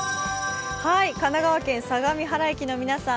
神奈川県相模原駅の皆さん